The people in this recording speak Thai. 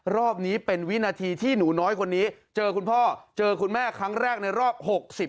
รอบนี้เป็นวินาทีที่หนูน้อยคนนี้เจอคุณพ่อเจอคุณแม่ครั้งแรกในรอบ๖๐